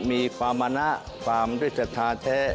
มีความมะนะความด้วยศรัทธาแท้